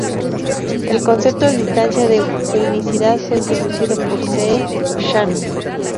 El concepto de distancia de unicidad fue introducido por C. E. Shannon.